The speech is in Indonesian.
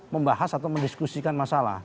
membahas atau mendiskusikan masalah